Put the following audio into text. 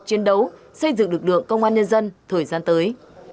chiến đấu xây dựng được đường công an nhân dân thời gian tới